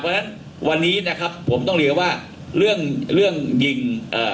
เพราะฉะนั้นวันนี้นะครับผมต้องเรียนว่าเรื่องเรื่องยิงเอ่อ